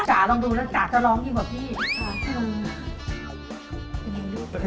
จ๋ลองดูนะจ๋าจะร้องดีกว่าพี่